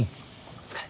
お疲れ